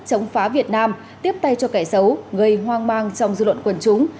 chống phá việt nam tiếp tay cho kẻ xấu gây hoang mang trong dư luận quần chúng